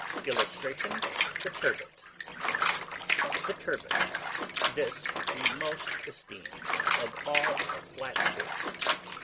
[Illustration: THE TURBOT.] THE TURBOT. This is the most esteemed of all our flat fish.